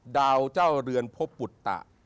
ดาวเจ้าเรือนพบปุตตะ